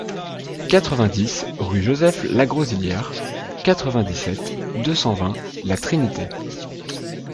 quatre-vingt-dix rue Joseph Lagrosilliere, quatre-vingt-dix-sept, deux cent vingt, La Trinité